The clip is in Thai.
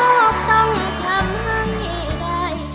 ลูกต้องทำห่างไอ้ใด